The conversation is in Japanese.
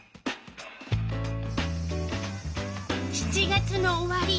７月の終わり。